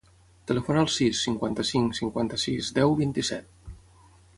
Telefona al sis, cinquanta-cinc, cinquanta-sis, deu, vint-i-set.